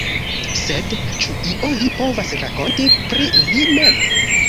Sed ĉu ion vi povas rakonti pri vi mem?